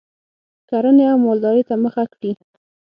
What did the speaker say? کرنې او مالدارۍ ته مخه کړي